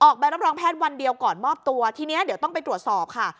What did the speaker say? ใบรับรองแพทย์วันเดียวก่อนมอบตัวทีนี้เดี๋ยวต้องไปตรวจสอบค่ะ